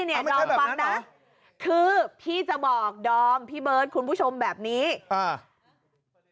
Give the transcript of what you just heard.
เนี่ยดอมฟังนะคือพี่จะบอกดอมพี่เบิร์ดคุณผู้ชมแบบนี้อ่า